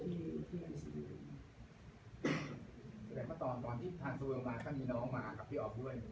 เดือนกันตอนตอนที่พาดทุนไปมีน้องมากับพี่ออกด้วย